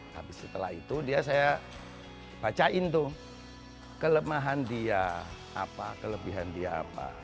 habis setelah itu dia saya bacain tuh kelemahan dia apa kelebihan dia apa